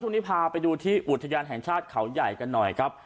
พาไปดูที่อุทยานแห่งชาติเขาใหญ่กันหน่อยครับ